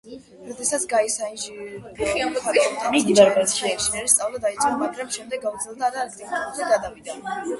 როდესაც გაი საინჟინრო ფაკულტეტზე ჩაირიცხა, ინჟინერიის სწავლა დაიწყო, მაგრამ შემდეგ გაუძნელდა და არქიტექტურაზე გადავიდა.